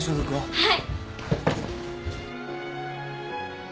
はい。